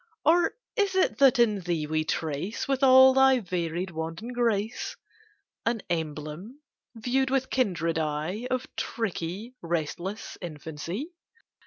Or is it that in thee we trace, With all thy varied wanton grace, An emblem, viewed with kindred eye Of tricky, restless infancy?